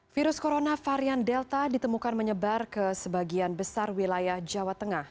virus corona varian delta ditemukan menyebar ke sebagian besar wilayah jawa tengah